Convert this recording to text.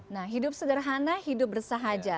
nah hidup sederhana hidup bersahaja